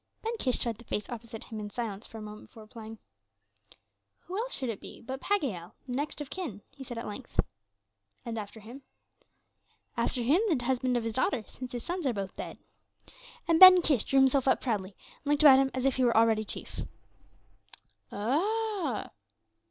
Ben Kish studied the face opposite him in silence for a moment before replying. "Who else should it be but Pagiel, the next of kin?" he said at length. "And after him?" "After him, the husband of his daughter, since his sons are both dead." And Ben Kish drew himself up proudly and looked about him as if he were already chief. "Ah!"